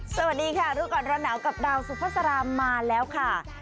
สวัสดีค่ะรู้ก่อนร้อนหนาวกับดาวสุภาษามาแล้วค่ะ